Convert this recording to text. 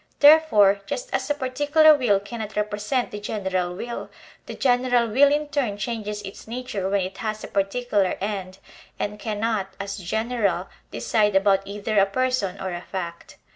There fore, just as a particular will cannot represent the gen eral will, the general will in turn changes its nature when it has a particular end, and cannot, as general, decide about either a i>erson or a fact.